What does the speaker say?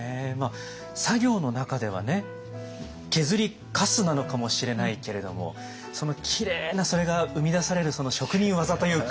作業の中では削りかすなのかもしれないけれどもきれいなそれが生み出されるその職人技というか。